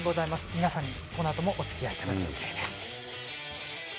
皆さんに、このあともおつきあいいただく予定です。